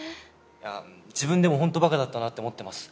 あっ自分でもほんとバカだったなって思ってます。